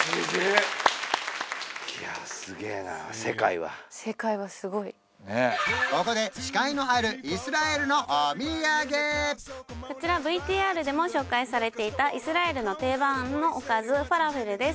すげえいやここで死海のあるイスラエルのお土産こちらＶＴＲでも紹介されていたイスラエルの定番のおかずファラフェルです